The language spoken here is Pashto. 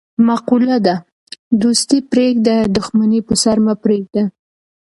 مقوله ده: دوستي پرېږده، دښمني په سر مه پرېږده.